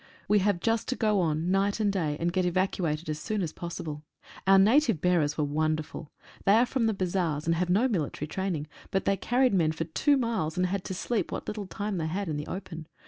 We have just to go on night and day, and get evacuated as soon as possible. Our native bearers were wonderful. They are from the Bazaars, and have no military training, but they carried men for two miles, and had to sleep what little time they had in the open.